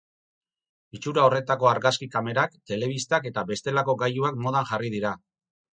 Itxura horretako argazki kamerak, telebistak eta bestelako gailuak modan jarri dira.